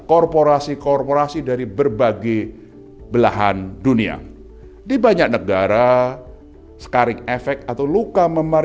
korporasi korporasi dari berbagai belahan dunia di banyak negara scaring efek atau luka memar